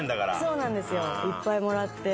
そうなんですよいっぱいもらって。